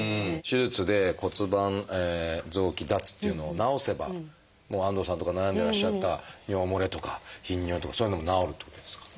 手術で骨盤臓器脱というのを治せば安藤さんとか悩んでいらっしゃった尿もれとか頻尿とかそういうのも治るということですか？